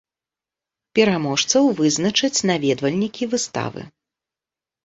Пераможцаў вызначаць наведвальнікі выставы.